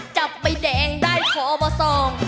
จับไปแดงได้ขอบส่อง